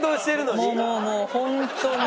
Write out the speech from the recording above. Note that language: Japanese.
もうもうもうホントに。